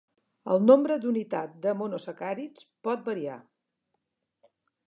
El nombre d'unitat de monosacàrids pot variar.